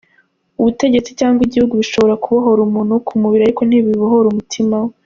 Ubutegetsi cyangwa igihugu bishobora kubohora umuntu ku mubiri ariko ntibibohora umutima we”.